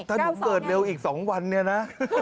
ถ้าหนูเกิดเร็วอีก๒วันเนี่ยนะ